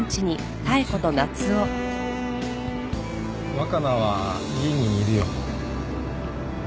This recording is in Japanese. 若菜は家にいるよ。